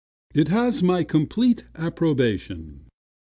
"It has my complete approbation."